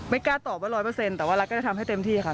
กล้าตอบว่า๑๐๐แต่ว่ารักก็จะทำให้เต็มที่ค่ะ